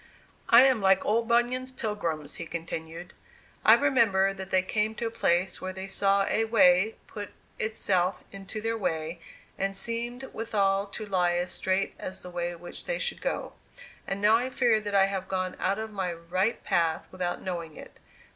"I am like old Bunyan's pilgrims," he continued. "I remember that they came to a place where they saw a way put itself into their way, and seemed withal to lie as straight as the way which they should go. And now I fear that I have gone out of my right path without knowing it.